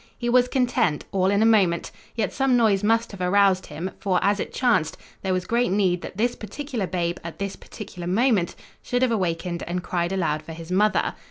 He was content, all in a moment, yet some noise must have aroused him, for, as it chanced, there was great need that this particular babe at this particular moment should have awakened and cried aloud for his mother.